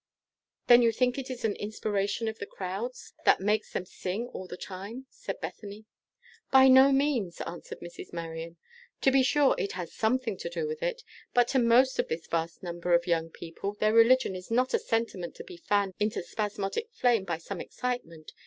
"Then you think it is an inspiration of the crowds that makes them sing all the time," said Bethany. "By no means!" answered Mrs. Marion. "To be sure, it has something to do with it; but to most of this vast number of young people, their religion is not a sentiment to be fanned into spasmodic flame by some excitement.